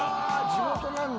地元なんだ。